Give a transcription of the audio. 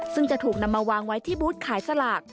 ซึ่งจะถูกนำมาวางไว้ที่บูธขายสลาก